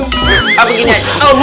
ah begini aja